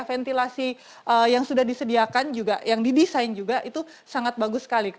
ventilasi yang sudah disediakan juga yang didesain juga itu sangat bagus sekali